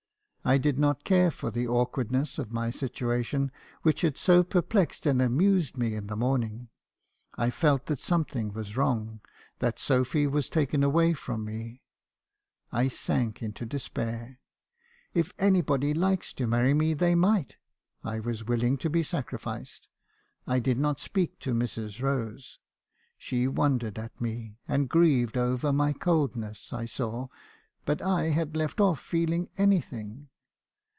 I did not care for the awkward ness of my situation, which had so perplexed and amused me in the morning. I felt that something was wrong; that Sophy was taken away from me. I sank into despair. If any body liked to marry me they might. I was willing to be sacrificed. I did not speak to Mrs. Rose. She wondered at me, and grieved over my coldness, I saw; but I had left off feeling anything.